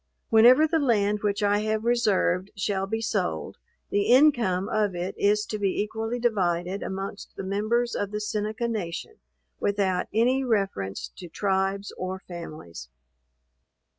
Whenever the land which I have reserved, shall be sold, the income of it is to be equally divided amongst the members of the Seneca nation, without any reference to tribes or families.